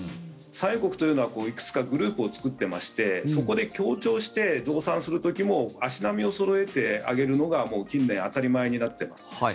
産油国というのはいくつかグループを作ってましてそこで協調して増産する時も足並みをそろえて上げるのが近年、当たり前になってます。